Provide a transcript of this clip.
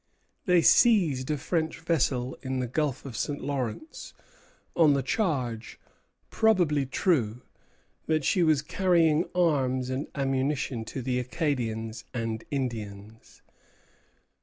They seized a French vessel in the Gulf of St. Lawrence, on the charge probably true that she was carrying arms and ammunition to the Acadians and Indians.